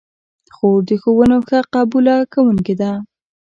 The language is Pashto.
خور د ښوونو ښه قبوله کوونکې ده.